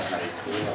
tim kpk telah